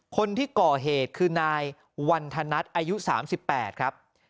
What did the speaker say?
คนที่ก่อเหตุคือนายวันธนัทอายุ๓๘ครับ